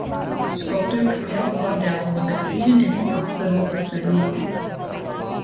Sculptor Camille Claudel was a patient in this hospital for thirty years.